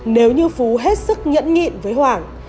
nếu như phú hết sức nhẫn nhịn với hoàng